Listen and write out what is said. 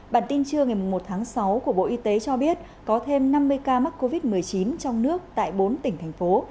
bản tin trưa ngày một tháng sáu của bộ y tế cho biết có thêm năm mươi ca mắc covid một mươi chín trong nước tại bốn tỉnh thành phố